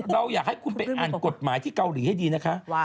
เราอยากให้คุณไปอ่านกฎหมายที่เกาหลีให้ดีนะคะ